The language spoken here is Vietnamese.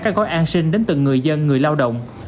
các gói an sinh đến từng người dân người lao động